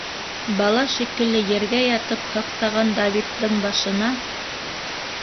Бала шикелле ергә ятып һыҡтаған Давидтың башына